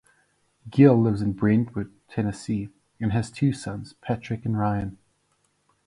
Gill lives in Brentwood, Tennessee and has two sons, Patrick and Ryan.